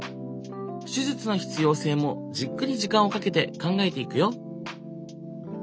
手術の必要性もじっくり時間をかけて考えていくよ。